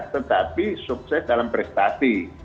tetapi sukses dalam prestasi